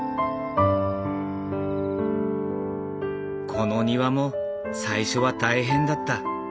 この庭も最初は大変だった。